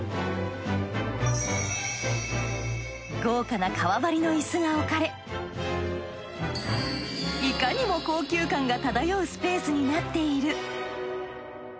豪華な革張りのイスが置かれいかにも高級感が漂うスペースになっている。